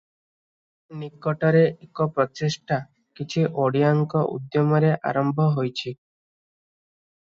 ନିକଟରେ ଏକ ପ୍ରଚେଷ୍ଟା କିଛି ଓଡ଼ିଆଙ୍କ ଉଦ୍ୟମରେ ଆରମ୍ଭ ହୋଇଛି ।